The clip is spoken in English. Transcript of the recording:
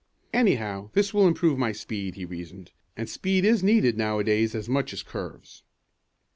"Anyhow this will improve my speed," he reasoned, "and speed is needed now a days as much as curves."